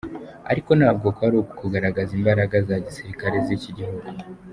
Ariko ntabwo kwari ukugaragaza imbaraga za gisirikare z'iki gihugu.